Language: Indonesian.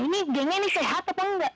ini gengnya ini sehat apa enggak